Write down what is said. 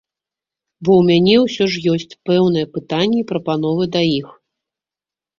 Бо ў мяне ўсё ж ёсць пэўныя пытанні і прапановы да іх.